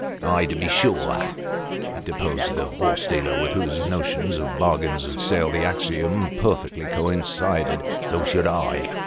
" Ay, to be sure," interposed the horse dealer, with whose notions of bargain and sale the axiom perfectly coincided, " so should I."